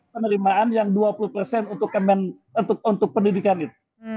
penerimaan yang dua puluh persen untuk pendidikan itu